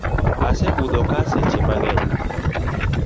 Asebudhoka seche mangeny.